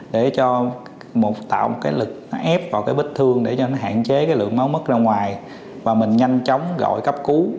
để cho một tạo cái lực ép vào cái bếp thương để hạn chế cái lượng máu mất ra ngoài và mình nhanh chóng gọi cấp cứu